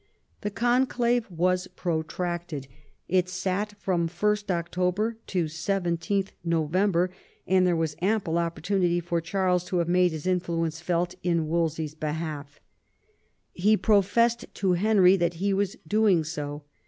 The conclave was protracted ; it sat from 1st Octo ber to 17th November, and there was ample oppor tunity for Charles to have made his influence felt in Wolsey's behalf. He professed to Henry that he was doing so.